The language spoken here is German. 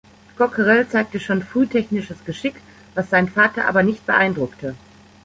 Cockerell zeigte schon früh technisches Geschick, was seinen Vater aber nicht beeindruckte.